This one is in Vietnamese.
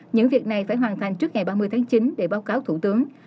những việc này phải hoàn thành trước ngày ba mươi tháng chín để báo cáo thủ tướng